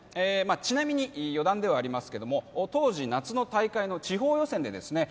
ちなみに余談ではありますけども当時夏の大会の地方予選でですね